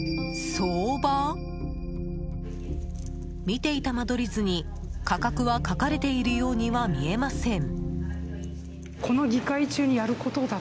見ていた間取り図に価格は書かれているようには見えません。